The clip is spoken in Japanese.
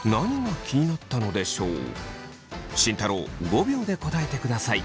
吉木さんは慎太郎５秒で答えてください。